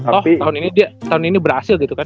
toh tahun ini dia tahun ini berhasil gitu kan